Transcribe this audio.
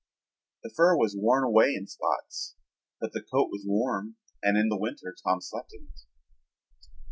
The fur was worn away in spots, but the coat was warm and in the winter Tom slept in it.